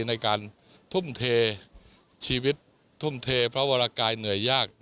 ในการทุ่มเทชีวิตทุ่มเทพระวรกายเหนื่อยยาก